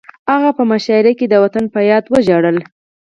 هغه په مشاعره کې د وطن په یاد وژړل